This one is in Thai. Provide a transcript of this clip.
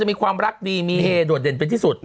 มีความรักดีมีเฮโดดเด่นเป็นที่สุด